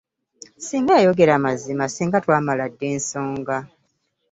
Ssinga yayogera mazima ssinga twamala dda ensonga.